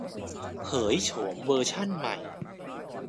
เผยโฉมเวอร์ชั่นใหม่